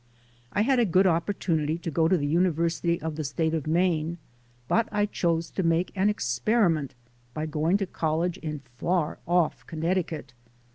I had a good opportunity to go to the University of the State of Maine, but I chose to make an experiment by going to college in far off Connecticut.